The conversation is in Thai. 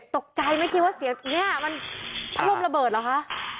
ตกใจไม่คิดว่าเสียงเนี่ยมันพัดลมระเบิดเหรอคะ